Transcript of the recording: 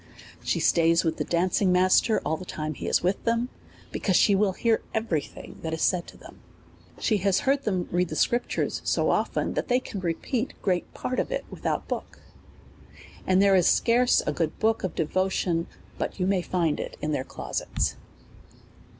She stays with the danc ing master all the time he is with them, because she will hear every thing that is said to them. She has heard them read the scriptures so often, that they can repeat great part of it without the book ; and there is scarce a good book of devotion but you may find it in their closets.